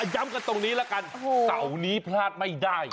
ย้ำกันตรงนี้ละกันเสาร์นี้พลาดไม่ได้